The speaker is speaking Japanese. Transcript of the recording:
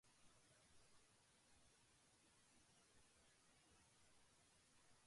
デラウェア州の州都はドーバーである